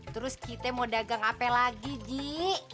terus kita mau dagang apa lagi ji